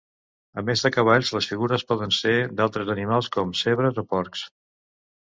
A més de cavalls les figures poden ser d'altres animals com zebres o porcs.